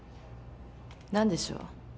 何でしょう？